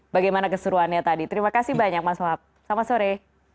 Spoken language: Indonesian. bagaimana keseruannya tadi terima kasih banyak mas wab selamat sore